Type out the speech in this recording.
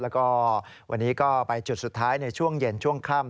แล้วก็วันนี้ก็ไปจุดสุดท้ายในช่วงเย็นช่วงค่ำ